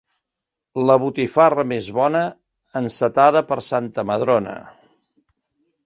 La botifarra més bona encetada per Santa Madrona.